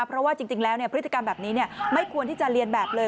เพราะว่าจริงแล้วพฤติกรรมแบบนี้ไม่ควรที่จะเรียนแบบเลย